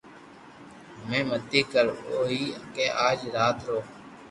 ھمي مني ڪر وہ ھي ڪي آج رات رو